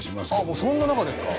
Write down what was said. もうそんな仲ですか？